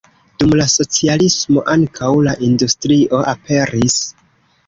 Dum la socialismo ankaŭ la industrio aperis.